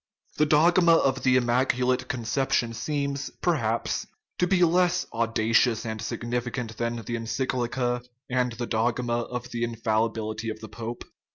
The dogma of the immaculate conception seems, perhaps, to be less audacious and significant than the encyclica and the dogma of the infallibility of the pope.